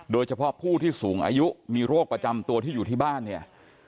โดยเฉพาะผู้ที่สูงอายุมีโรคประจำตัวที่อยู่ที่บ้านเนี่ย